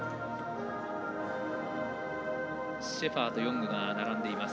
シェファーとヨングが並んでいます。